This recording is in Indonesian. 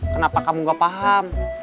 kenapa kamu nggak paham